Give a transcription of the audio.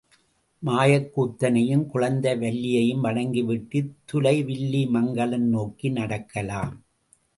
மாயக் கூத்தனையும் குளந்தை வல்லியையும் வணங்கி விட்டு துலை வில்லி மங்கலம் நோக்கி நடக்கலாம்.